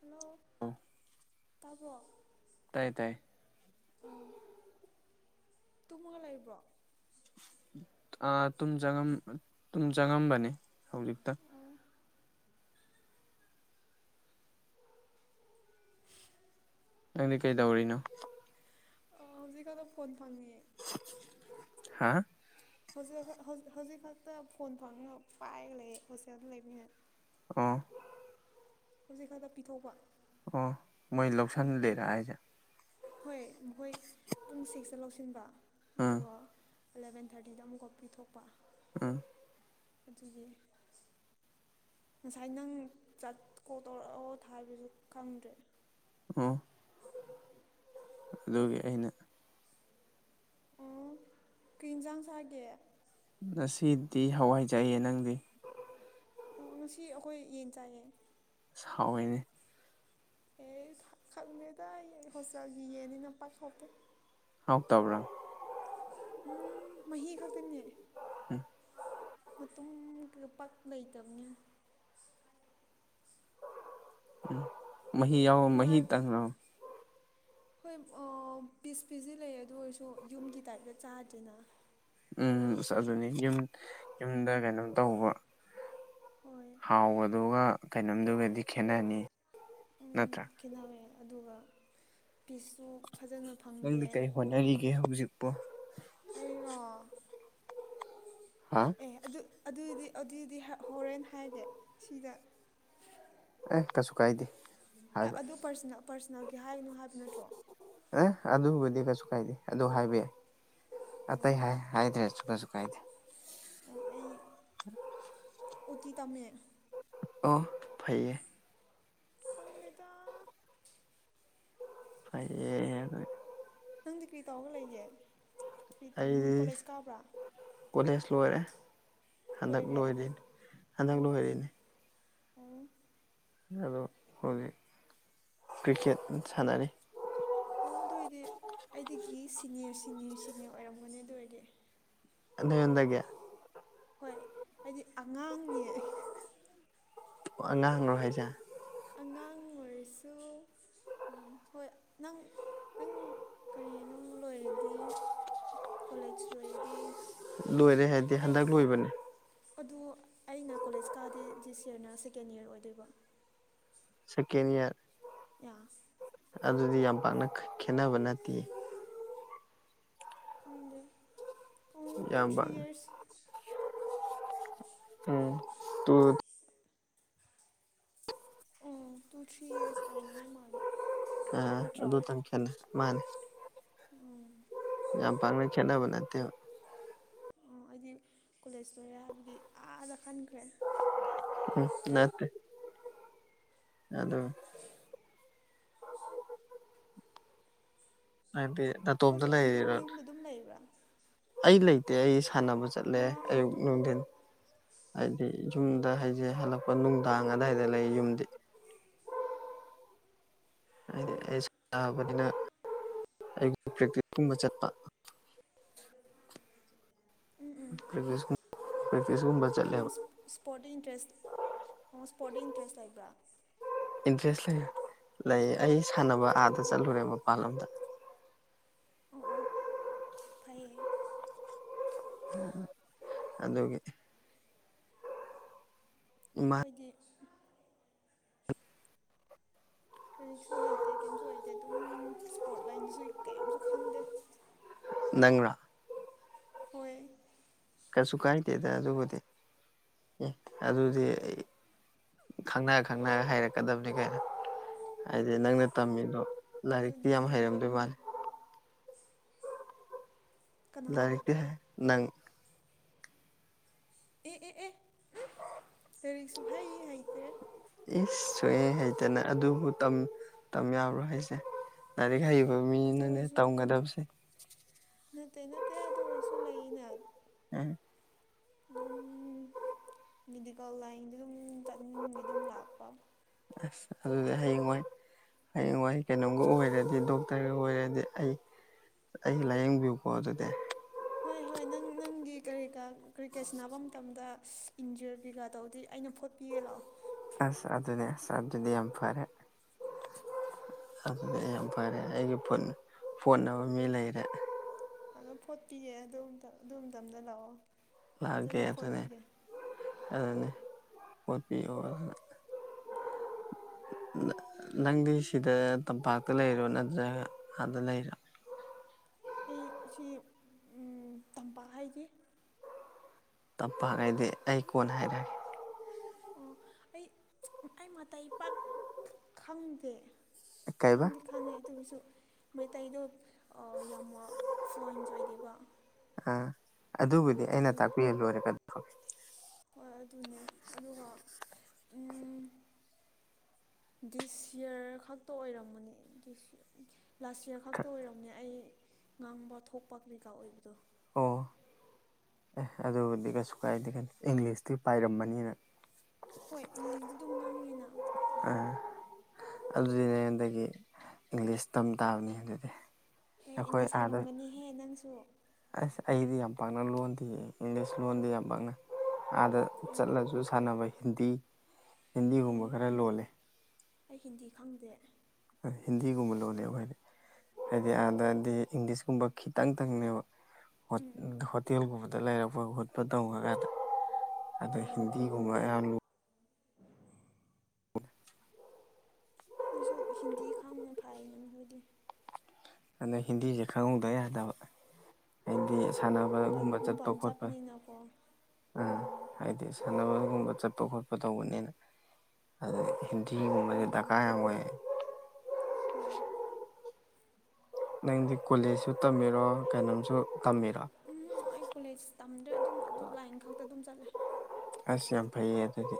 hello ꯇꯕ꯭ꯔꯣ ꯇꯥꯏꯌꯦ ꯇꯥꯏꯌꯦ ꯎꯝ ꯇꯨꯝꯃꯒ ꯂꯩꯕ꯭ꯔꯣ ꯑꯥ ꯇꯨꯝ ꯆꯪꯉꯝ ꯇꯨꯝ ꯆꯪꯉꯝꯕꯅꯤ ꯍꯧꯖꯤꯛꯇ [inaudible] ꯅꯪꯗꯤ ꯀꯩꯗꯧꯔꯤꯅꯣ ꯑ ꯍꯧꯖꯤꯛ ꯈꯗ ꯐꯣꯟ ꯐꯪꯉꯤꯌꯦ ꯍꯥꯥ ꯍꯧꯖꯤ ꯍꯧꯖꯤꯛ ꯍꯧꯖ ꯍꯧꯖꯤꯛ ꯈꯛꯇ ꯐꯣꯟ ꯐꯪꯉꯦ ꯄꯥꯏꯔꯒ ꯂꯩꯌꯦ ꯍꯣꯁꯇꯦꯜꯗ ꯂꯩꯕꯅꯤꯅ ꯑꯣ ꯍꯨꯖꯤꯛ ꯈꯛꯇ ꯄꯤꯊꯣꯛꯄ ꯑꯣ ꯃꯣꯏ ꯂꯧꯁꯤꯟ ꯑꯗꯨꯒꯤ ꯂꯤꯔꯥ ꯍꯥꯏꯁꯦ ꯍꯣꯏ ꯃꯍꯣꯏ ꯄꯨꯡ ꯁꯤꯛꯁꯇ ꯂꯧꯁꯤꯟꯕ ꯎꯝ ꯑꯗꯨꯒ ꯑ ꯑꯦꯜꯂꯕꯦꯟ ꯊꯥꯔꯇꯤꯗ ꯑꯃꯨꯛꯀ ꯄꯤꯊꯣꯛꯄ ꯎꯝ ꯑꯗꯨꯒꯤ ꯉꯁꯥꯏ ꯅꯪ ꯆꯥꯠ ꯀꯣꯜ ꯇꯧꯔꯛꯑꯣ ꯊꯥꯏꯕꯁꯨ ꯈꯪꯗ꯭ꯔꯦ ꯑꯝ ꯑꯗꯨꯒꯤ ꯑꯩꯅ ꯑꯣ ꯀꯩ ꯑꯦꯟꯖꯥꯡ ꯆꯥꯒꯦ ꯉꯁꯤꯗꯤ ꯍꯋꯥꯏ ꯆꯥꯏꯌꯦ ꯅꯪꯗꯤ ꯑꯣ ꯉꯁꯤ ꯑꯈꯣꯏ ꯌꯦꯟ ꯆꯥꯏꯌꯦ ꯁꯍꯥꯎꯋꯦꯅꯦ ꯑꯦꯁ ꯈꯪꯗꯦꯗ ꯑꯩ ꯍꯣꯁꯇꯦꯜꯒꯤ ꯌꯦꯟꯅꯤꯅ [unintelligible] ꯍꯥꯎ ꯇꯕ꯭ꯔꯥ ꯎꯝ ꯃꯍꯤ ꯈꯛꯇꯪꯅꯦ ꯃꯇꯨꯝꯀ ꯄꯥꯛ ꯂꯩꯇꯕꯅꯤ ꯎꯝ ꯃꯍꯤ ꯌꯥꯎ ꯃꯍꯤ ꯅꯨꯡꯉꯥꯏ ꯇꯪꯔꯣ ꯍꯣꯏ ꯑꯣ ꯄꯤꯁ ꯄꯤꯖꯤ ꯂꯩꯌꯦ ꯑꯗꯨ ꯑꯣꯏꯔꯁꯨ ꯌꯨꯝꯒꯤ ꯇꯥꯏꯞꯇ ꯆꯥꯗ꯭ꯔꯦꯅ ꯎꯝ ꯑꯁ ꯑꯗꯨꯅꯤ ꯌꯨꯝ ꯌꯨꯝꯗ ꯀꯩꯅꯣꯝ ꯇꯧꯕ ꯍꯣꯏ ꯍꯥꯎꯕꯗꯨꯒ ꯀꯩꯅꯣꯝꯗꯨꯒꯗꯤ ꯈꯦꯠꯅꯅꯤ ꯅꯠꯇ꯭ꯔꯥ ꯈꯦꯠꯅꯕꯦ ꯑꯗꯨꯒ ꯄꯤꯁꯁꯨ ꯐꯖꯅꯥ ꯐꯪꯗꯦ ꯅꯪꯗꯤ ꯀꯩ ꯑꯗꯨꯒꯤ ꯍꯣꯠꯅꯔꯤꯒꯦ ꯍꯧꯖꯤꯛꯄꯣ ꯑꯩꯔꯣ ꯍꯥ ꯑꯦ ꯑꯗꯨ ꯑꯗꯨꯗꯤ ꯑꯗꯨꯗꯤ ꯍ ꯍꯣꯔꯦꯟ ꯍꯥꯏꯒꯦ ꯁꯤꯗ ꯑꯦ ꯀꯩꯁꯨ ꯀꯥꯏꯗꯦ ꯍꯥꯏꯕ ꯑꯦ ꯑꯗꯨ ꯄꯔꯁꯅꯦꯜ ꯄꯔꯁꯅꯦꯜꯒꯤ ꯍꯥꯏꯒꯅꯣ ꯍꯥꯏꯕ ꯅꯠꯇ꯭ꯔꯣ ꯑꯦ ꯑꯗꯨꯕꯨꯗꯤ ꯀꯩꯁꯨ ꯀꯥꯏꯗꯦ ꯑꯗꯨ ꯍꯥꯏꯕ ꯌꯥꯏ ꯑꯇꯩ ꯍꯥꯏ ꯍꯥꯏꯗ꯭ꯔꯥꯁꯨ ꯀꯩꯁꯨ ꯀꯥꯏꯗꯦ ꯑꯣ ꯑꯩ ꯑꫭꯇꯤ ꯇꯝꯃꯦ ꯑꯣ ꯐꯩꯌꯦ ꯈꯪꯗꯦꯗ ꯐꯩꯌꯦ ꯅꯪ ꯅꯪꯗꯤ ꯀꯔꯤ ꯇꯧꯔꯒ ꯂꯩꯒꯦ ꯀꯔꯤ ꯇꯝꯃ ꯑꯩꯗꯤ ꯀꯣꯂꯦꯖ ꯀꯥꯕ꯭ꯔꯥ ꯀꯣꯂꯦꯖ ꯂꯣꯏꯔꯦ ꯍꯟꯗꯛ ꯂꯣꯏꯔꯦ ꯂꯣꯏꯔꯤꯅꯤ ꯍꯟꯗꯛ ꯑꯣ ꯑꯣ ꯂꯣꯏꯔꯤꯅꯤ ꯑꯣ ꯑꯗꯣ ꯍꯧꯖꯤꯛ ꯀ꯭ꯔꯤꯀꯦꯠ ꯁꯥꯟꯅꯔꯤ ꯑꯣ ꯑꯗꯨ ꯑꯣꯏꯗꯤ ꯑꯩꯗꯒꯤ ꯁꯤꯅꯤꯌꯔ ꯁꯤꯅꯤꯌꯔ ꯁꯤꯅꯤꯌꯔ ꯑꯣꯏꯔꯝꯒꯅꯤ ꯑꯗꯨ ꯑꯣꯏꯗꯤ ꯑꯗꯨ ꯑꯩꯉꯣꯟꯗꯒꯤ ꯍꯣꯏ ꯍꯥꯏꯗꯤ ꯑꯉꯥꯡꯅꯦ ꯑꯣ ꯑꯉꯥꯡꯔꯣ ꯍꯥꯏꯖꯦ ꯑꯉꯥꯡ ꯑꯣꯏꯔꯁꯨ ꯎꯝ ꯍꯣꯏ ꯅꯪ ꯅꯪ ꯀꯔꯤꯅꯣ ꯂꯣꯏꯔꯗꯤ ꯀꯣꯂꯦꯖ ꯂꯣꯏꯔꯗꯤ ꯂꯣꯏꯔꯦ ꯍꯥꯏꯗꯤ ꯑꯩ ꯍꯟꯗꯛ ꯂꯣꯏꯕꯅꯦ ꯑꯗꯨ ꯑꯩꯅ ꯀꯣꯂꯦꯖ ꯀꯥꯗꯤ ꯗꯤ ꯁꯦꯅꯤꯌꯔ ꯁꯦꯀꯦꯟ ꯏꯌꯔ ꯑꯣꯏꯗꯨꯏꯕ ꯁꯦꯀꯦꯟ ꯏꯌꯔ ꯌꯥꯁ ꯑꯗꯨꯗꯤ ꯌꯥꯝ ꯄꯥꯛꯅ ꯈꯦ ꯈꯦꯟꯅꯕ ꯅꯠꯇꯦꯌꯦ ꯈꯪꯗꯦ ꯄꯨꯡ ꯇꯨ ꯌꯥꯝ ꯊ꯭ꯔꯤ ꯄꯥꯛꯅ ꯏꯌꯔ ꯑꫭ ꯇꯨ ꯑꫭ ꯇꯨ ꯊ꯭ꯔꯤ ꯏꯌꯔꯁ ꯑꯣꯏꯅꯤ ꯃꯥꯜꯂꯦ ꯑ ꯅꯠꯇ꯭ꯔꯣ ꯑꯗꯨꯇꯪ ꯈꯦꯠꯅꯩ ꯃꯥꯅꯦ ꯎꯝ ꯌꯥꯝ ꯄꯥꯛꯅ ꯈꯦꯠꯅꯕ ꯅꯠꯇꯦꯕ ꯑꫭ ꯑꯩꯗꯤ ꯀꯣꯂꯦꯖ ꯂꯣꯏꯔꯦ ꯍꯥꯏꯕꯗꯤ ꯑꯗꯥ ꯈꯟꯈ꯭ꯔꯦ ꯎꯝ ꯅꯠꯇꯦ ꯑꯗꯨ [inaudible] ꯍꯥꯏꯗꯤ ꯍꯧꯖꯤꯛꯀꯥꯟ ꯑꯗꯨꯝ ꯌꯨꯝꯗ ꯑꯗꯨꯝ ꯂꯩꯕ꯭ꯔꯥ ꯑꯩ ꯂꯩꯇꯦ ꯑꯩ ꯁꯥꯟꯅꯕ ꯆꯠꯂꯦ ꯑꯥ ꯑꯌꯨꯛ ꯑꯗꯨꯝ ꯅꯨꯡꯊꯤꯟ ꯍꯥꯏꯗꯤ ꯑꯣ ꯑꯣ ꯌꯨꯝꯗ ꯍꯥꯏꯖꯦ ꯍꯜꯂꯛꯄ ꯑꯣ ꯑꯣ ꯅꯨꯡꯗꯥꯡ ꯑꯗꯥꯏꯗ ꯂꯩ ꯌꯨꯝꯗꯤ ꯑꯣ ꯍꯥꯏꯗꯤ ꯑꯩ ꯁꯥꯟꯅꯕꯅꯤꯅ ꯑꯌꯨꯛ ꯄ꯭ꯔꯦꯛꯇꯤꯁꯀꯨꯝꯕ ꯆꯠꯄ ꯄ꯭ꯔꯤꯚꯤꯌꯁ ꯀꯨꯝ ꯄ꯭ꯔꯤꯚꯤꯌꯁꯒꯨꯝꯕ ꯆꯠꯂꯦꯕ ꯁ꯭ꯄꯣꯔꯠꯇ ꯏꯟꯇꯔꯦꯁ ꯑꯣ ꯁ꯭ꯄꯣꯔꯠꯇ ꯏꯟꯇꯔꯦꯁ ꯂꯩꯕ꯭ꯔꯥ ꯏꯟꯇꯔꯦꯁ ꯂꯩ ꯂꯩꯌꯦ ꯑꯩ ꯁꯥꯟꯅꯕ ꯑꯥꯗ ꯆꯠꯂꯨꯔꯦ ꯃꯄꯥꯟ ꯂꯝꯗ ꯑꯣ ꯑꯣ ꯐꯩꯌꯦ [inaudible] ꯑꯗꯨꯒꯤ ꯏꯃꯟ ꯇꯤ [inaudible] ꯂꯥꯏꯔꯤꯛꯁꯨ ꯍꯩꯇꯦ ꯀꯩꯝꯁꯨ ꯍꯩꯇꯦ ꯑꯗꯨꯝ ꯏꯁꯄꯣꯔꯠ ꯂꯥꯏꯟꯗꯁꯨ ꯀꯩꯝꯁꯨ ꯈꯪꯗꯦ ꯅꯪꯔꯥ ꯍꯣꯏ ꯀꯩꯁꯨ ꯀꯥꯏꯗꯦꯗ ꯑꯗꯨꯕꯨꯗꯤ ꯑꯦ ꯑꯗꯨꯗꯤ ꯑꯩ ꯈꯪꯅ ꯈꯪꯅ ꯍꯩꯔꯛꯀꯗꯝꯅꯤ ꯀꯩꯅꯣ ꯍꯥꯏꯗꯤ ꯅꯪꯅ ꯇꯝꯃꯤꯗꯣ ꯂꯥꯏꯔꯤꯛꯇꯤ ꯑꯗꯨꯗꯤ ꯌꯥꯝ ꯑꯗꯨꯅꯦ ꯍꯩꯔꯝꯗꯣꯏ ꯎꯝ ꯃꯥꯜꯂꯦ ꯀꯅꯥꯅꯣ ꯂꯥꯏꯔꯤꯛꯇꯤ ꯅꯪ ꯑꯦ ꯑꯦ ꯑꯦ ꯀꯔꯤꯛ ꯁꯨꯍꯩ ꯍꯩꯇ꯭ꯔꯦ ꯏꯁ ꯁꯨꯍꯩ ꯍꯩꯇꯥꯅ ꯑꯗꯨꯕꯨ ꯇꯝ ꯇꯝ ꯌꯥꯕ꯭ꯔꯣ ꯍꯩꯁꯦ ꯂꯥꯏꯔꯤꯛ ꯍꯩꯕ ꯑꯗꯨ ꯃꯤꯅꯅꯦ ꯑꯣꯏꯔꯁꯨ ꯇꯝꯒꯗꯕꯁꯦ ꯅꯠꯇꯦ ꯅꯠꯇꯦ ꯑꯗꯨ ꯑꯣꯏꯔꯁꯨ ꯂꯩꯏꯅ ꯎꯝ ꯗꯨꯝ ꯃꯤꯗꯤꯀꯜ ꯂꯥꯏꯟꯗ ꯗꯨꯝ ꯆꯠꯅꯤꯡꯕꯩ ꯗꯨꯝ ꯂꯥꯛꯄ ꯑꯁ ꯑꯗꯨꯗꯤ ꯍꯥꯌꯦꯡ ꯋꯥꯏ ꯍꯥꯌꯦꯡ ꯋꯥꯏ ꯀꯩꯅꯣꯝꯒ ꯑꯣꯏꯔꯗꯤ ꯗꯣꯛꯇꯔꯒ ꯑꯣꯏꯔꯗꯤ ꯑꯩ ꯑꯩ ꯂꯥꯏꯌꯦꯡꯕꯤꯌꯨꯀꯣ ꯑꯗꯨꯗꯤ ꯍꯣꯏ ꯍꯣꯏ ꯅꯪ ꯅꯪꯒꯤ ꯀꯔꯤ ꯀꯥ ꯀ꯭ꯔꯤꯀꯦꯠ ꯁꯅꯥꯕ ꯃꯇꯝꯗ ꯏꯟꯖꯔ ꯀꯩꯀꯥ ꯇꯧꯗꯤ ꯑꯩꯅ ꯐꯨꯠ ꯏꯌꯦꯂꯥꯎ ꯑꯁ ꯑꯗꯨꯅꯦ ꯑꯁ ꯑꯗꯨꯗꯤ ꯌꯥꯝ ꯐꯔꯦ ꯑꯗꯨꯗꯤ ꯑꯩ ꯌꯥꯝ ꯐꯔꯦ ꯑꯩꯒꯤ ꯐꯨꯟ ꯐꯣꯠꯅꯕ ꯃꯤ ꯂꯩꯔꯦ ꯑꯗꯣ ꯐꯣꯠꯄꯤꯒꯦ ꯑꯗꯨꯝꯇ ꯑꯗꯨꯃꯇꯝꯗ ꯂꯥꯛꯑꯣ ꯂꯥꯛꯑꯒꯦ ꯐꯖꯅ ꯑꯗꯨꯅꯦ ꯐꯣꯠꯄꯤꯒꯦ ꯑꯗꯨꯅꯦ ꯐꯣꯠꯄꯤꯌꯣ ꯅ ꯅꯪꯗꯤ ꯁꯤꯗ ꯇꯝꯄꯥꯛꯇ ꯂꯩꯔꯣ ꯅꯠꯇ꯭ꯔꯒ ꯑꯥꯗ ꯂꯩꯔꯣ ꯑꯩ ꯁꯤ ꯎꯝ ꯇꯝꯄꯥꯛ ꯍꯥꯏꯗꯤ ꯇꯞꯄꯥꯛ ꯍꯥꯏꯗꯤ ꯑꯩ ꯀꯣꯟꯅ ꯍꯥꯏꯔꯛꯑꯒꯦ ꯑꯣ ꯑꯩ ꯑꯩ ꯃꯇꯩ ꯄꯥꯛ ꯈ ꯈꯪꯗꯦ ꯀꯩꯕ ꯈꯪꯗꯤ ꯈꯪꯉꯦ ꯑꯗꯨꯑꯣꯏꯁꯨ ꯃꯩꯇꯩꯗꯣ ꯑꯥ ꯌꯥꯝ ꯋꯥ ꯐ꯭ꯂꯨꯋꯦꯟꯁ ꯑꯣꯏꯗꯦꯕ ꯑꯥ ꯑꯗꯨꯕꯨꯗꯤ ꯑꯩꯅ ꯑꯗꯨꯒꯤ ꯇꯥꯛꯄꯤꯔ ꯂꯣꯏꯔꯦ ꯀꯩꯅꯣ ꯐ ꯍꯣꯏ ꯑꯗꯨꯅꯦ ꯑꯗꯨꯒ ꯎꯝ ꯗꯤꯁꯌꯔ ꯈꯛꯇ ꯑꯣꯏꯔꯝꯒꯅꯤ ꯗꯤꯁ ꯂꯥꯁ ꯌꯔ ꯈꯛꯇ ꯑꯣꯏꯔꯝꯅꯦ ꯑꯩ ꯉꯥꯡꯕ ꯊꯣꯛꯄ ꯀꯔꯤ ꯀꯥ ꯑꯣꯏꯕꯗꯣ ꯑꯣ ꯑꯦ ꯑꯗꯨꯕꯨꯗꯤ ꯀꯩꯁꯨ ꯀꯥꯏꯗꯦ ꯀꯩꯅꯣ ꯏꯪꯂꯤꯁꯇꯤ ꯄꯥꯏꯔꯝꯃꯅꯤ ꯅ ꯍꯣꯏ ꯏꯪꯂꯤꯁꯗꯤ ꯑꯗꯨꯝ ꯉꯥꯡꯉꯤꯅ ꯑꯗꯨꯒꯤ ꯑꯥ ꯑꯗꯨꯗꯤꯅꯦ ꯍꯟꯗꯛꯀꯤ ꯏꯪꯂꯤꯁ ꯇꯝ ꯇꯥꯕꯅꯤ ꯑꯗꯨꯗꯤ ꯍꯦ ꯑꯩꯈꯣꯏ ꯏꯪꯂꯤꯁ ꯑꯥꯗ ꯍꯩꯔꯝꯒꯅꯤꯍꯦ ꯅꯪꯁꯨ ꯑꯁ ꯑꯩꯗꯤ ꯌꯥꯝ ꯄꯥꯛꯅ ꯂꯣꯟꯗꯦ ꯏꯪꯂꯤꯁ ꯂꯣꯟꯗꯦ ꯌꯥꯝ ꯄꯥꯛꯅ ꯑꯥꯗ ꯎꯝ ꯆꯠꯂꯖꯨ ꯁꯥꯟꯅꯕ ꯍꯤꯟꯗꯤ ꯍꯤꯟꯗꯤꯒꯨꯝꯕ ꯎꯝ ꯈꯔ ꯂꯣꯜꯂꯦ ꯑꯩ ꯍꯤꯟꯗꯤ ꯈꯪꯗꯦ ꯍꯤꯟꯗꯤꯒꯨꯝꯕ ꯂꯣꯜꯂꯦ ꯑꯈꯣꯏ ꯍꯥꯏꯗꯤ ꯑꯥꯗꯗꯤ ꯏꯪꯂꯤꯁꯀꯨꯝꯕ ꯈꯤꯇꯪꯇꯪꯅꯦꯕ ꯍꯣꯠ ꯎꯝ ꯎꯝ ꯍꯣꯇꯦꯜꯒꯨꯝꯕꯗ ꯂꯩꯔꯝ ꯄꯥ ꯈꯣꯠꯄ ꯇꯧꯔꯒꯥ ꯑꯗꯥ ꯎꯝ ꯍꯤꯟꯗꯤꯒꯨꯝꯕ ꯑꯌꯥꯝꯂꯨ ꯁꯤꯁꯨ ꯍꯤꯟꯗꯤ ꯈꯪꯅ ꯐꯥꯏꯅꯦ ꯅꯣꯏꯗꯤ ꯑꯅꯥ ꯍꯤꯟꯗꯤꯖꯦ ꯈꯪꯍꯧꯗ ꯌꯥꯗꯕ ꯍꯥꯏꯗꯤ ꯃꯄꯥꯟ ꯁꯥꯟꯅꯕꯒꯨꯝꯕ ꯆꯠꯄ ꯃꯄꯥꯟ ꯈꯣꯠꯄ ꯆꯠꯄꯅꯤꯅꯀꯣ ꯑꯥ ꯎꯝ ꯍꯥꯏꯗꯤ ꯁꯥꯟꯅꯕꯒꯨꯝꯕ ꯆꯠꯄ ꯈꯣꯠꯄ ꯇꯧꯕꯅꯤꯅ ꯑꯗꯨꯗꯤ ꯍꯤꯟꯗꯤꯒꯨꯝꯕꯁꯦ ꯎꯝ ꯗꯔꯀꯥꯔ ꯌꯥꯝ ꯑꯣꯏ ꯍꯣꯏ ꯅꯪꯗꯤ ꯀꯣꯂꯦꯖꯁꯨ ꯇꯝꯃꯤꯔꯣ ꯀꯩꯅꯣꯝꯁꯨ ꯇꯝꯃꯤꯔꯣ ꯎꯝ ꯍꯝ ꯑꯩ ꯀꯣꯂꯦꯖ ꯇꯝꯗꯦ ꯑꯗꯨꯝ ꯑꯗꯣ ꯂꯥꯏꯟ ꯈꯛꯇ ꯑꯗꯨꯝ ꯆꯠꯂꯦ ꯑꯁ ꯌꯥꯝ ꯐꯩꯌꯦ ꯑꯗꯨꯗꯤ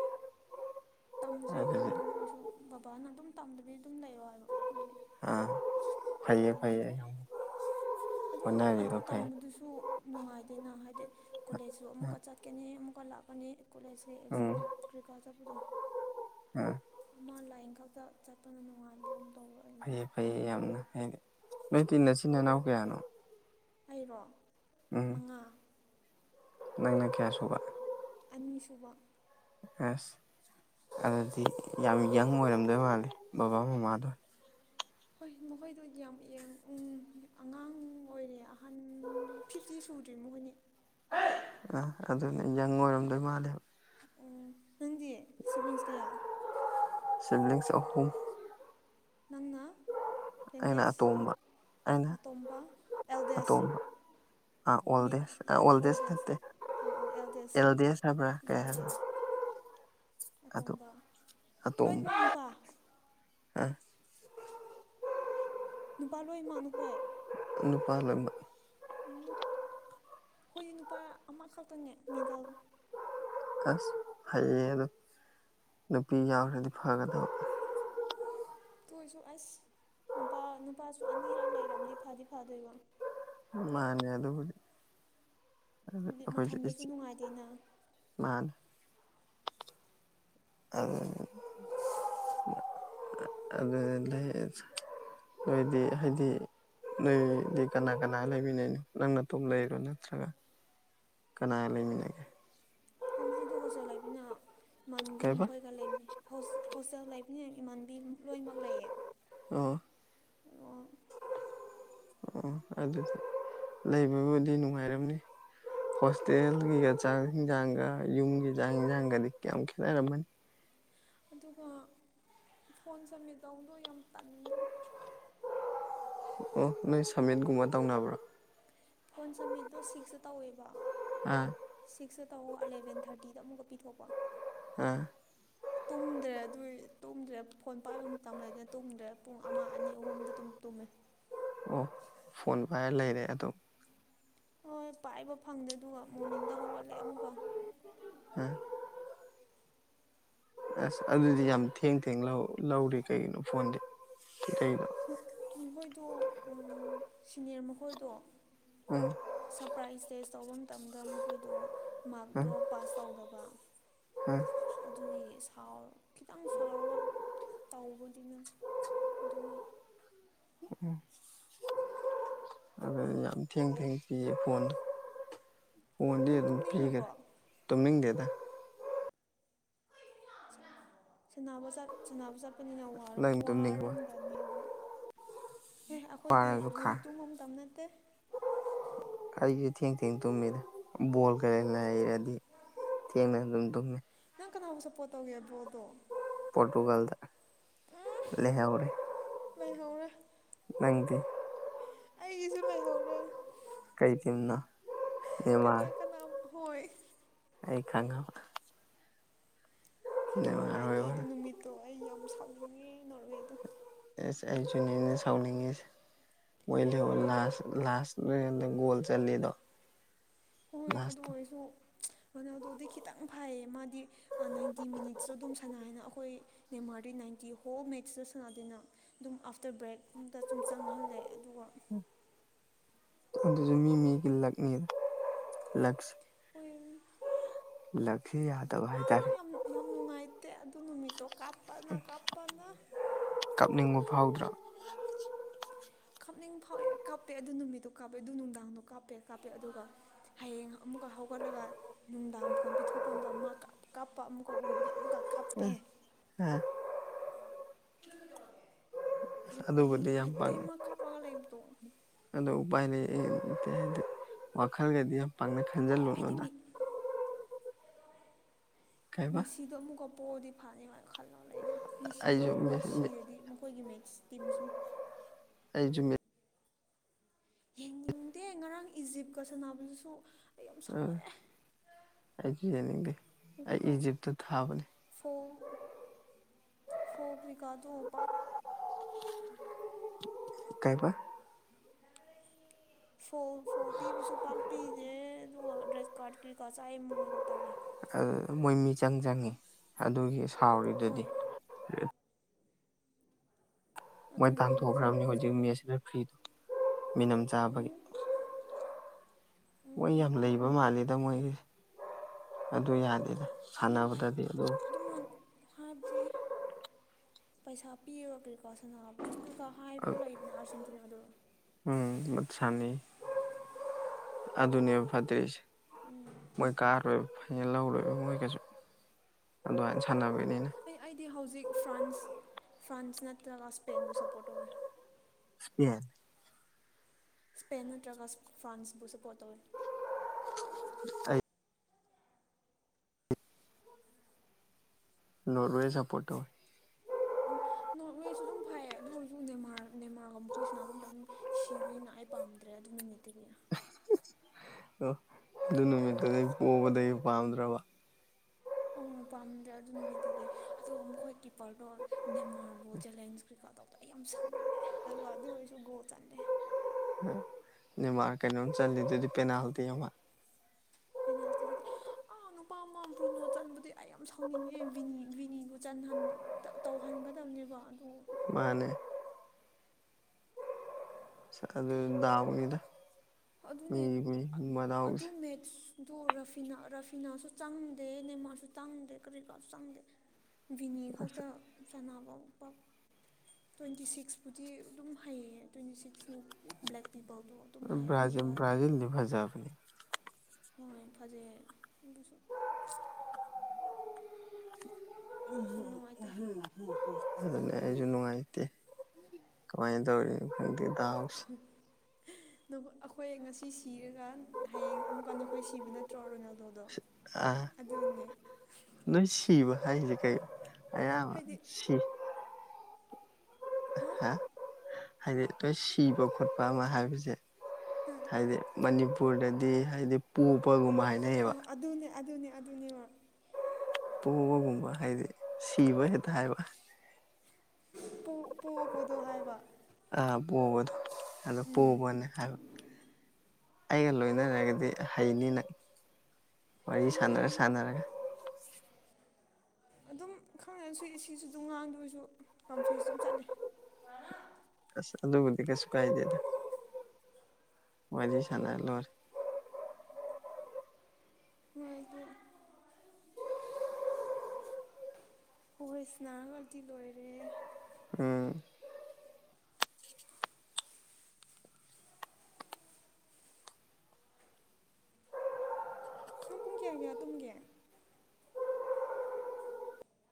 ꯇꯝꯁꯤꯔ ꯑꯗꯨꯗꯤ ꯈꯟꯕꯅꯤ ꯑꯗꯨ ꯑꯣꯏꯁꯨ ꯕꯕꯥꯅ ꯑꯗꯨꯝ ꯇꯝꯗꯕꯤ ꯑꯗꯨꯝ ꯂꯩꯔꯣ ꯍꯥꯏꯕ ꯑꯗꯨꯒꯤ ꯑꯥ ꯐꯩꯌꯦ ꯐꯩꯌꯦ ꯇꯝꯗ꯭ꯔꯦ ꯌꯥꯝ ꯑꯗꯣ ꯑꯗꯨ ꯍꯣꯠꯅꯔꯤꯗꯣ ꯐꯩ ꯇꯝꯕꯗꯨꯁꯨ ꯅꯨꯡꯉꯥꯏꯇꯦꯅ ꯍꯥꯏꯗꯤ ꯀꯣꯂꯦꯖꯁꯨ ꯑꯃꯨꯛꯀ ꯆꯠꯀꯅꯤ ꯑꯃꯨꯛꯀ ꯂꯥꯛꯀꯅꯤ ꯀꯣꯂꯦꯖꯀꯤ ꯑꯦꯛꯖꯥꯝ ꯎꯝ ꯀ꯭ꯔꯤꯀꯥ ꯆꯠꯄꯗꯣ ꯑꯥ ꯑꯃ ꯂꯥꯏꯟ ꯈꯛꯇ ꯆꯠꯄꯅ ꯅꯨꯡ ꯉꯥꯏꯕꯒꯨꯝ ꯇꯧꯕ ꯑꯩꯅ ꯐꯩꯌꯦ ꯐꯩꯌꯦ ꯌꯥꯝꯅ ꯅꯣꯏꯗꯤ ꯅꯆꯤꯟ ꯅꯅꯥꯎ ꯀꯌꯥꯅꯣ ꯑꯩꯔꯣ ꯎꯝ ꯃꯉꯥ ꯅꯪꯅ ꯀꯌꯥ ꯁꯨꯕ ꯑꯅꯤꯁꯨꯕ ꯑꯁ ꯑꯗꯨꯗꯤ ꯌꯥꯝ ꯌꯪ ꯑꯣꯏꯔꯝꯗꯣꯏ ꯃꯥꯜꯂꯦ ꯕꯕꯥ ꯃꯃꯥꯗꯣ ꯍꯣꯏ ꯃꯈꯣꯏꯗꯣ ꯌꯥꯝ ꯌꯦꯡ ꯎꯝ ꯑꯉꯥꯡ ꯑꯣꯏꯔꯦ ꯑꯍꯟꯗꯤ ꯐꯤꯞꯇꯤ ꯁꯨꯗ꯭ꯔꯤ ꯃꯍꯣꯏꯅꯤ ꯑꯥ ꯑꯗꯨꯨꯅꯦ ꯌꯪ ꯑꯣꯏꯔꯝꯗꯣꯏ ꯃꯥꯜꯂꯦꯕ ꯎꯝ ꯅꯪꯗꯤ ꯁꯤꯕ꯭ꯂꯤꯡꯁ ꯀꯌꯥ ꯁꯤꯕ꯭ꯂꯤꯡꯁ ꯑꯍꯨꯝ ꯅꯪꯅ ꯑꯩꯅ ꯊꯤꯡꯒꯦꯁ ꯑꯇꯣꯝꯕ ꯑꯩꯅ ꯑꯥꯇꯣꯝꯕ ꯑꯦꯜꯗꯦꯁ ꯑ ꯃꯤ ꯑꯣꯜꯗꯦꯁ ꯑꯦ ꯑꯣꯜꯗꯦꯁ ꯅꯠꯇꯦ ꯑꯣ ꯑꯣ ꯑꯦꯜꯗꯦꯁ ꯍꯥꯏꯕ꯭ꯔ ꯀꯩ ꯌꯥ ꯌꯥ ꯍꯥꯏꯕ ꯑꯇꯣꯝꯕ ꯑꯇꯣꯝꯕ ꯂꯣꯏꯃꯛ ꯅꯨꯨꯄꯥ ꯑ ꯅꯨꯄꯥ ꯂꯣꯏꯃꯥ ꯅꯈꯣꯏ ꯅꯨꯄꯥꯥ ꯂꯣꯏꯃꯛ ꯎꯝ ꯑꯩꯈꯣꯏꯗꯤ ꯅꯨꯄꯥ ꯑꯃꯈꯛꯇꯅꯦ ꯃꯤꯗꯜ ꯑꯁ ꯐꯩꯌꯦ ꯑꯗꯣ ꯅꯨꯄꯤ ꯌꯥꯎꯔꯗꯤ ꯐꯒꯗꯕ ꯇꯣꯏꯁꯨ ꯑꯁ ꯅꯨꯄꯥ ꯅꯨꯄꯥꯁꯨ ꯑꯅꯤꯔꯛ ꯂꯩꯔꯝꯗꯤ ꯐꯗꯤ ꯐꯥꯗꯣꯏꯕ ꯃꯥꯟꯅꯦ ꯑꯗꯨꯕꯨꯗꯤ ꯍꯥꯏꯗꯤ ꯃꯊꯟꯗꯁꯨ ꯅꯨꯡꯉꯥꯏꯇꯦꯅ ꯃꯥꯥꯟ ꯑ [unintelligible] ꯅ‌ꯣꯏꯗꯤ ꯍꯥꯏꯗꯤ ꯅꯣꯏꯗꯤ ꯀꯅꯥ ꯀꯅꯥ ꯂꯩꯃꯤꯟꯅꯩꯅꯣ ꯅꯪ ꯅꯇꯣꯝ ꯂꯩꯔꯣ ꯅꯠꯇ꯭ꯔꯒ ꯀꯅꯥꯒ ꯂꯩꯃꯤꯟꯅꯒꯦ ꯍꯧꯖꯤꯛꯗ‌ꯣ ꯍꯣꯁꯇꯦꯜ ꯂꯩꯕꯅꯤꯅ ꯏꯃꯥꯟꯅꯕꯤ ꯀꯩꯕ ꯃꯈꯣꯏꯒ ꯂꯩꯃ‌ꯦ ꯍ‌ꯣꯁ ꯍꯣꯁꯇꯦꯜ ꯂꯩꯕꯅꯤꯅ ꯏꯃꯥꯟꯅꯕꯤ ꯂꯣꯏꯅꯃꯛ ꯂꯩꯌꯦ ꯑꯣ ꯑꯣ ꯑꯗꯨꯗꯤ ꯂꯩꯕꯕꯨꯗꯤ ꯅꯨꯡꯉꯥꯏꯔꯝꯅꯤ ꯍꯣꯁꯇꯦꯜꯒꯤꯒ ꯆꯥꯛ ꯍꯤꯟꯖꯥꯡꯒ ꯌꯨꯝꯒꯤ ꯆꯥꯛ ꯍꯤꯟꯁꯥꯡꯒꯗꯤ ꯀꯌꯥꯝ ꯈꯦꯠꯅꯔꯝꯃꯅꯤ ꯑꯗꯨꯒ ꯐꯣꯟ ꯁꯃꯤꯠ ꯇꯧꯕꯗꯣ ꯌꯥꯝ ꯇꯟꯕ ꯑꯣ ꯅꯣꯏ ꯁꯃꯤꯠꯒꯨꯝꯕ ꯇꯧꯅꯕ꯭ꯔꯥ ꯐꯣꯟ ꯁꯃꯤꯠꯗ‌ꯣ ꯁꯤꯛꯁꯇ ꯇꯧꯋꯦꯕ ꯑꯥ ꯁꯤꯛꯁꯗ ꯇꯧ ꯑꯦꯂꯕꯦꯟ ꯊꯥꯔꯇꯤꯗ ꯑꯃꯨꯛꯀ ꯄꯤꯊꯣꯛꯄ ꯑ ꯇꯨꯝꯗ꯭ꯔꯦ ꯑꯗꯨꯢ ꯇꯨꯝꯗ꯭ꯔꯦ ꯐꯣꯟ ꯄꯥꯏꯕ ꯃꯇꯝ ꯂꯩꯗꯦ ꯇꯨꯝꯗ꯭ꯔꯦ ꯄꯨꯡ ꯑꯃ ꯑꯅꯤ ꯑꯍꯨꯝꯗ ꯑꯗꯨꯝ ꯇꯨꯝꯃꯦ ꯑꯣ ꯐꯣꯟ ꯄꯥꯏꯔ ꯂꯩꯔꯦ ꯑꯗꯨ ꯍꯣꯏ ꯄꯥꯏꯕ ꯐꯪꯗꯦ ꯑꯗꯨꯒ ꯃꯣꯔꯅꯤꯡꯗ ꯍꯧꯒꯠꯂꯦ ꯑꯃꯨꯛꯀ ꯑ ꯑꯁ ꯑꯗꯨꯗꯤ ꯈꯪꯗꯦꯅ ꯌꯥꯝ ꯊꯦꯡ ꯊꯦꯡ ꯂꯧ ꯂꯧꯔ‌ꯦ ꯀꯩꯒꯤꯅꯣ ꯐꯣꯟꯗꯤ ꯀꯩꯀꯩꯗ‌ꯣ ꯃ ꯃꯈꯣꯏꯗꯣ ꯎꯝ ꯁꯤꯅꯤꯌꯔ ꯃꯈꯣꯏꯗꯣ ꯎꯝ ꯁꯄ꯭ꯔꯥꯏꯁ ꯇꯦꯖ ꯇꯧꯕ ꯃꯇꯝꯗ ꯃꯈꯣꯏꯗꯣ ꯎꯝ ꯃꯥꯔ꯭ꯛꯇꯣ ꯄꯥꯁ ꯇꯧꯗꯕ ꯎꯝ ꯑꯗꯨꯒꯤ ꯁꯥꯎ ꯈꯤꯇꯪ ꯁꯥꯎꯔꯒ ꯇꯧꯕꯗꯤꯅ ꯑꯗꯨꯒꯤ [unintelligible] ꯑꯗꯨꯅ ꯌꯥꯝ ꯊꯦꯡ ꯊꯦꯡ ꯄꯤꯌꯦ ꯐꯣꯟꯗꯣ ꯐꯣꯟꯗꯤ ꯅꯪ ꯑꯗꯨꯝ ꯄꯤꯒꯔ‌ꯦ ꯇꯨꯝꯅꯤꯡꯉꯕ꯭ꯔꯣ ꯇꯨꯝꯃꯤꯡ ꯗꯦꯗ ꯁꯟꯅꯕꯥ ꯁꯟꯅꯕꯥ ꯆꯠ ꯆꯠꯄꯅꯤꯅ ꯋꯥꯔꯝ ꯅꯪ ꯇꯨꯝꯅꯤꯡꯕ ꯋꯥꯔꯝꯒꯅꯦꯕ ꯑꯦ ꯑꯈꯣꯏꯗꯤ ꯋꯥꯔꯁꯨ ꯈꯥ ꯍꯧꯖꯤꯛ ꯇꯨꯝꯕ ꯃꯇꯝ ꯅꯠꯇꯦ ꯑꯩꯖꯨ ꯊꯦꯡ ꯊꯦꯡ ꯇꯨꯝꯃꯤꯗ ꯕꯣꯜ ꯀꯩ ꯂꯩꯔꯗꯤ ꯊꯦꯡꯅ ꯑꯗꯨꯝ ꯇꯨꯝꯃꯤ ꯅꯪ ꯀꯅꯥꯕꯨ ꯁꯞꯄꯣꯔꯠ ꯇꯧꯒꯦ ꯕꯣꯜꯗꯣ ꯄꯣꯔꯇꯨꯒꯜꯗ ꯂꯩꯍꯧꯔꯦ ꯂꯩꯍꯧꯔꯦ ꯅꯪꯗꯤ ꯑꯩꯒꯤꯁꯨ ꯂꯩꯍꯧꯔꯦ ꯀꯩ ꯇꯤꯝꯅꯣ ꯀꯅꯥ ꯅꯦꯃꯥꯔ ꯀꯅꯥ ꯍꯣꯏ ꯑꯩ ꯈꯪꯉꯧ ꯌꯥꯝ ꯅꯦꯃꯥꯔ ꯍꯣꯏ ꯅꯨꯡꯉꯥꯏꯇꯦ ꯑꯗꯨ ꯑꯣꯏꯔꯦ ꯅꯨꯃꯤꯠꯇꯣ ꯑꯩ ꯌꯥꯝ ꯁꯥꯥꯎꯅꯤꯡꯉ‌ꯦ ꯅꯣꯔꯋꯦꯗꯣ ꯑꯦꯁ ꯑꯩꯖꯨꯅꯤꯅ ꯁꯥꯎꯅꯤꯡꯉꯤꯁꯦ ꯃꯣꯏ ꯂꯩꯍꯧꯔ ꯍꯦꯛ ꯂꯥꯁ ꯂꯥꯁ [unintelligible] ꯒꯣꯜ ꯆꯜꯂ‌ꯦꯗꯣ ꯍꯣꯏ ꯑꯗꯨ ꯑꯣꯏꯁꯨ ꯔꯣꯅꯥꯜꯗꯣꯗꯤ ꯈꯤꯇꯪ ꯐꯩꯌꯦ ꯃꯥꯗꯤ ꯑ ꯅꯥꯏꯟꯇꯤ ꯃꯤꯅꯤꯠꯁꯗ‌ꯣ ꯑꯗꯨꯝ ꯁꯥꯟꯅꯥꯢꯅ ꯑꯈꯣꯏ ꯅꯦꯃꯥꯔꯗꯤ ꯅꯥꯏꯟꯇꯤ ꯍꯣꯜ ꯃꯦꯠꯁꯗ‌ꯣ ꯁꯥꯟꯅꯗꯦꯅꯥ ꯑꯗꯨꯝ ꯑꯥꯐꯇꯔ ꯕ꯭ꯔꯦꯛꯒꯨꯝꯗ ꯆꯨꯝ ꯆꯪꯍꯜꯂꯦ ꯑꯗꯨꯒ ꯑꯗꯨꯖꯨ ꯃꯤ ꯃꯤꯒꯤ ꯂꯛꯅꯤꯗ ꯂꯛꯁ ꯑꯣꯏ ꯌꯥꯝ ꯌꯥꯗꯕ ꯑꯥ ꯍꯥꯏꯇꯥꯔꯦ ꯌꯥꯝ ꯌꯥꯝ ꯅꯨꯡꯉꯥꯏꯇꯦ ꯑꯗꯨ ꯅꯨꯃꯤꯠꯇꯣ ꯀꯥꯞꯄꯅ ꯀꯥꯞꯄꯅ ꯀꯥꯞꯅꯤꯡꯕ ꯐꯥꯎꯗ꯭ꯔꯥ ꯀꯥꯞꯅꯤꯡ ꯐꯥꯎꯋꯦ ꯀꯥꯞꯄꯦ ꯑꯗꯨ ꯅꯨꯃꯤꯠꯇꯣ ꯀꯥꯞꯄꯦ ꯑꯗꯨ ꯅꯨꯡꯗꯥꯡꯗꯣ ꯀꯥꯞꯄꯦ ꯀꯥꯞꯄꯦ ꯑꯗꯨꯒ ꯍꯌꯦꯡ ꯑꯃꯨꯛꯀ ꯍꯧꯒꯠꯂꯒ ꯅꯨꯡꯗꯥꯡ ꯐꯣꯟ ꯄꯤꯊꯣꯛꯄꯝꯗ ꯃꯥ ꯀꯥꯞ ꯀꯥꯞꯄ ꯑꯃꯨꯛꯀ ꯎꯕꯒꯤ ꯑꯃꯨꯛꯀ ꯀꯥꯞꯄꯦ ꯑꯥ ꯌꯥꯝ ꯌꯥꯝ ꯑꯗꯨꯕꯨꯗꯤ ꯅꯨꯡꯉꯥꯏꯇꯦ ꯄꯥꯡꯉꯦ ꯃꯥ ꯀꯥꯄꯒ ꯂꯩꯕꯗꯣ ꯑꯗꯣ ꯎꯄꯥꯏ ꯂꯩꯇꯦ ꯍꯥꯏꯗꯤ ꯋꯥꯈꯜꯒꯗꯤ ꯌꯥꯝ ꯄꯥꯡꯅ ꯑꯩꯗꯤ ꯈꯟꯖꯜꯂꯨꯅꯣꯗ ꯃꯤ ꯀꯩꯕ ꯃꯤꯁꯤꯗꯣ ꯑꯃꯨꯛꯀ ꯄꯣꯔꯗꯤ ꯐꯅꯤꯃꯥꯏ ꯈꯜꯂꯒ ꯑꯩꯗꯤ ꯃꯤꯁꯤꯗꯣ ꯑꯩꯁꯨ ꯑꯃꯨꯛꯀ ꯁꯤꯔꯗꯤ ꯃꯈꯣꯏꯒꯤ ꯃꯦꯠꯁ ꯇꯤꯝ ꯁꯨꯝ ꯑꯩ ꯖꯨ ꯃꯦ ꯌꯦꯡꯅꯤꯡꯗꯦ ꯉꯔꯥꯡ ꯏꯖꯤꯞꯀ ꯁꯥꯟꯅꯕꯗꯨꯁꯨ ꯑꯩ ꯌꯥꯝ ꯁꯥꯎꯋꯦ ꯑꯩꯖꯨ ꯌꯦꯅꯤꯡꯗꯦ ꯑꯩ ꯏꯖꯤꯞꯇ ꯊꯥꯕꯅꯤ ꯐꯣ ꯐꯣ ꯀꯩꯀꯥꯗꯣ ꯄꯥꯛ ꯀꯩꯕ [unintelligible] ꯐꯣꯜ ꯐꯣꯜ ꯄꯤꯕꯁꯨ ꯄꯥꯛꯄꯤꯗꯦ ꯑꯗꯨꯒ ꯔꯦꯗ ꯀꯥꯔꯠ ꯀꯩꯀꯥ ꯆꯥꯏ ꯃꯍꯣꯏꯗꯣ ꯇꯜꯂꯦ ꯑꯗꯨ ꯃꯣꯏ ꯃꯤꯆꯪ ꯆꯪꯉꯤ ꯑꯗꯨꯒꯤ ꯁꯥꯎꯔꯤꯗꯨꯗꯤ ꯍꯣꯏ ꯃꯣꯏ ꯑꯗꯨꯅꯦ ꯃꯤꯆꯪ ꯇꯥꯟꯊꯣꯛꯈ꯭ꯔꯕꯅꯤ ꯌꯥꯝ ꯍꯧꯖꯤꯛ ꯃꯦꯠꯁ ꯆꯪꯉꯦ ꯔꯦꯐ꯭ꯔꯤꯗꯣ ꯃꯤꯅꯝ ꯎꯝ ꯆꯥꯕꯒꯤ ꯎꯝ ꯃꯣꯏ ꯎꯝ ꯌꯥꯝ ꯂꯩꯕ ꯃꯥꯜꯂꯤꯗ ꯃꯣꯏꯒꯤ ꯑꯗꯨ ꯌꯥꯗꯦꯗ ꯁꯥꯟꯅꯕꯗꯗꯤ ꯑꯗꯨ ꯇꯨꯃꯟ ꯍꯥꯏꯕꯗꯤ ꯄꯩꯁꯥ ꯄꯤꯔꯒ ꯀ꯭ꯔꯤ ꯀꯥ ꯁꯥꯟꯅ ꯀꯩꯀꯥ ꯍꯥꯏꯕ ꯂꯩꯗꯅ ꯑꯥꯔꯖꯦꯟꯇꯤꯅꯥꯗꯨ ꯃꯠ ꯁꯥꯅꯩ ꯑꯗꯨꯅꯦꯕ ꯐꯠꯇꯩꯁꯤ ꯃꯣꯏ ꯀꯥꯔꯣꯏ ꯍꯦ ꯂꯧꯔꯣꯏꯕ ꯃꯣꯏ ꯀꯩꯁꯨ ꯑꯗꯨꯃꯥꯏꯅ ꯁꯥꯟꯅꯕ ꯃꯤꯅꯤꯅ ꯑꯩ ꯑꯩꯗꯤ ꯍꯧꯖꯤꯛ ꯐ꯭ꯔꯥꯟꯁ ꯐ꯭ꯔꯥꯟꯁ ꯅꯠꯇ꯭ꯔꯒ ꯁ꯭ꯄꯦꯟꯕꯨ ꯁꯞꯄꯣꯔꯠ ꯇꯧꯋꯦ ꯁ꯭ꯄꯦꯟ ꯁ꯭ꯄꯦꯟ ꯅꯠꯇ꯭ꯔꯒ ꯏꯁꯐ꯭ꯔꯥꯟꯁꯕꯨ ꯁꯄꯣꯔꯠ ꯇꯧꯋꯤ ꯑꯩ ꯅꯣꯔꯋꯦ ꯁꯄꯣꯔꯠ ꯇꯧꯋꯤ ꯅꯣꯔꯠꯋꯦꯁꯨ ꯑꯗꯨꯝ ꯐꯩꯌꯦ ꯑꯗꯨ ꯑꯣꯏꯔꯁꯨ ꯅꯦꯃꯥꯔ ꯅꯦꯃꯥꯔꯒ ꯃꯈꯣꯏ ꯁꯅꯥꯕ ꯃꯇꯝ ꯁꯤꯕꯅꯤꯅ ꯑꯩ ꯄꯥꯝꯗ꯭ꯔꯦ ꯑꯗꯨ ꯅꯨꯃꯤꯠꯇꯒꯤ ꯑꯣ ꯑꯗꯨ ꯅꯨꯃꯤꯠꯇꯨꯗꯩ ꯄꯣꯕꯗꯩ ꯄꯥꯝꯗ꯭ꯔꯕ ꯑꯣ ꯄꯥꯝꯗ꯭ꯔꯦ ꯑꯗꯨ ꯅꯨꯃꯤꯠꯇꯒꯤ ꯑꯗꯣ ꯃꯈꯣꯏ ꯀꯤꯞꯄꯔꯗꯣ ꯅꯦꯃꯥꯔꯕꯨ ꯆꯦꯂꯦꯟꯁ ꯀ꯭ꯔꯤ ꯀꯥ ꯇꯧ ꯑꯩ ꯌꯥꯝ ꯁꯥꯎꯅꯤꯡꯉꯦ ꯑꯗꯨꯒ ꯑꯗꯨ ꯑꯣꯏꯔꯁꯨ ꯒꯣꯜ ꯆꯟꯗꯦ ꯅꯦꯃꯥꯔ ꯀꯩꯅꯣꯝ ꯆꯜꯂꯤꯗꯨꯗꯤ ꯄꯦꯅꯥꯜꯇꯤ ꯑꯃ ꯄꯦꯅꯥꯜꯇꯤ ꯅꯇꯦ ꯑꯥ ꯅꯨꯄꯥ ꯑꯃ ꯕꯨꯅꯣ ꯆꯟꯕꯗꯤ ꯑꯩ ꯌꯥꯝ ꯁꯥꯎꯅꯤꯡꯉꯤ ꯕꯤꯅꯤ ꯕꯤꯅꯤꯕꯨ ꯆꯟꯍꯟ ꯇꯥ ꯇꯧꯍꯟꯒꯗꯝꯅꯦꯕ ꯑꯗꯨ ꯃꯥꯅꯦ ꯑꯁ ꯑꯗꯨ ꯗꯥꯎ ꯅꯤꯗ ꯑꯗꯨꯅꯦ ꯑꯥ ꯑꯗꯨ ꯃꯗꯥꯎꯁꯦ ꯃꯦꯠꯁ ꯑꯗꯣ ꯔꯐꯤꯅꯥ ꯔꯥꯐꯤꯅꯥꯁꯨ ꯆꯪꯗꯦ ꯅꯦꯃꯥꯔꯁꯨ ꯆꯪꯗꯦ ꯀꯔꯤ ꯀꯥꯁꯨ ꯆꯪꯗꯦ ꯕꯤꯅꯤ ꯑꯁ ꯈꯛꯇ ꯁꯥꯟꯅꯕ ꯄꯥꯛ ꯇ꯭ꯋꯦꯟꯇꯤ ꯁꯤꯛꯁꯄꯨꯗꯤ ꯑꯗꯨꯝ ꯍꯩꯌꯦ ꯇ꯭ꯋꯦꯟꯇꯤ ꯁꯤꯛꯁꯅꯤ ꯕ꯭ꯂꯦꯛ ꯄꯤꯄꯜꯗꯣ ꯑꯗꯨꯝ ꯍꯩ ꯑꯗꯨ ꯕ꯭ꯔꯥꯖꯤꯜ ꯅꯨꯄꯥꯗꯤ ꯕ꯭ꯔꯥꯖꯤꯜꯗꯤ ꯐꯖꯕꯅꯤ ꯍꯣꯢ ꯐꯖꯩꯌꯦ ꯑꯗꯨꯁꯨ ꯌꯥꯝ ꯅꯨꯡꯉꯥꯏꯇꯦ [unintelligible] ꯑꯗꯨꯅꯦ ꯑꯩꯁꯨ ꯅꯨꯡꯉꯥꯏꯇꯦ ꯀꯃꯥꯏꯅ ꯇꯧꯔꯤꯅꯣ ꯈꯪꯗꯦ ꯗꯥꯎꯁꯤ ꯅꯥꯈꯣ ꯑꯈꯣꯏ ꯉꯁꯤ ꯁꯤꯔꯒ ꯍꯌꯦꯡ ꯑꯃꯨꯛꯀ ꯅꯈꯣꯏ ꯁꯤꯕ ꯅꯠꯇ꯭ꯔꯣ ꯔꯣꯅꯥꯜꯗꯣ ꯑꯥ ꯑꯗꯨꯅꯦ ꯅꯣꯏ ꯁꯤꯕ ꯍꯥꯏꯖꯤ ꯀꯩꯅꯣ ꯑꯌꯥꯝꯕ ꯍꯥꯏꯗꯤ ꯁꯤ ꯍꯥ ꯍꯥꯏꯗꯤ ꯅꯣꯏ ꯁꯤꯕ ꯈꯣꯠꯄ ꯑꯃ ꯍꯥꯏꯕꯁꯦ ꯑ ꯍꯥꯏꯗꯤ ꯃꯅꯤꯄꯨꯔꯗꯗꯤ ꯍꯥꯏꯗꯤ ꯄꯣꯕꯒꯨꯝꯕ ꯍꯥꯏꯅꯩꯌꯦꯕ ꯑꯣ ꯑꯗꯨꯅꯦ ꯑꯗꯨꯅꯦ ꯑꯗꯨꯅꯦꯕ ꯄꯣꯕꯒꯨꯝꯕ ꯍꯥꯏꯗꯤ ꯁꯤꯕ ꯍꯦꯛꯇ ꯍꯥꯏꯕ ꯄꯣ ꯄꯣꯕꯗꯣ ꯍꯥꯏꯕ ꯑꯥ ꯄꯣꯕꯗꯣ ꯑꯗꯣ ꯎꯝ ꯄꯣꯕꯅꯦ ꯍꯥꯏꯕ ꯑꯩꯒ ꯂꯣꯏꯅꯔꯒꯗꯤ ꯍꯩꯅꯤ ꯅꯪ ꯋꯥꯔꯤ ꯍꯩꯅꯩ ꯁꯥꯟꯅꯔ ꯍꯩꯅꯩ ꯁꯥꯟꯅꯔꯒ ꯑꯗꯨꯝ ꯈꯪꯅꯔꯁꯨ ꯏꯁꯤꯁꯨ ꯑꯗꯨꯝ ꯉꯥꯡꯗꯣꯏꯁꯨ ꯀꯟꯐ꯭ꯌꯨꯁ ꯑꯗꯨꯝ ꯆꯠꯂꯤ ꯑꯁ ꯑꯗꯨꯕꯨꯗꯤ ꯀꯩꯁꯨ ꯀꯥꯏꯗꯦꯗ ꯋꯥꯔꯤ ꯁꯥꯟꯅꯔ ꯂꯣꯏꯔꯦ ꯍꯣꯢ ꯑꯗꯨ ꯋꯥꯔꯤ ꯁꯅꯥꯔꯒꯗꯤ ꯂꯣꯏꯔꯦ ꯎꯝ ꯑꯪ ꯄꯨꯡ ꯀꯌꯥ ꯀꯌꯥ ꯇꯨꯝꯒꯦ